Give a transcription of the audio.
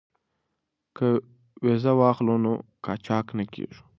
که ویزه واخلو نو قاچاق نه کیږو.